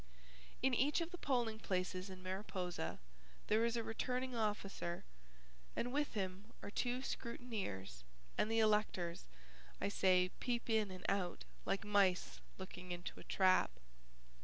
In each of the polling places in Mariposa there is a returning officer and with him are two scrutineers, and the electors, I say, peep in and out like mice looking into a trap.